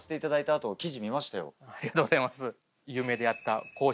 ありがとうございます。